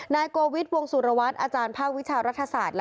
นายโกวิทย์วงสุรวัตรอาจารย์ภาควิชารัฐศาสตร์